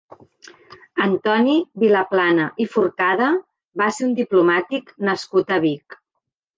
Antoni Vilaplana i Forcada va ser un diplomàtic nascut a Vic.